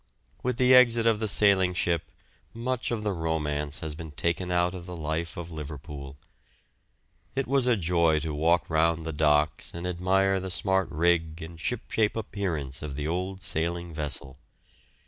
With the exit of the sailing ship much of the romance has been taken out of the life of Liverpool. It was a joy to walk round the docks and admire the smart rig and shipshape appearance of the old sailing vessel.